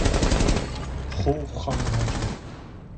Xo xam mece.